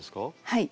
はい。